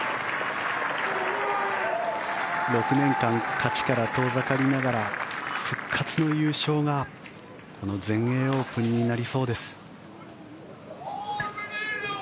６年間勝ちから遠ざかりながら復活の優勝がこの全英オープンになりそうです。